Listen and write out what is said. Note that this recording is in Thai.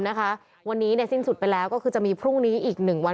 คือแม้ว่าจะมีการเลื่อนงานชาวพนักกิจแต่พิธีไว้อาลัยยังมีครบ๓วันเหมือนเดิม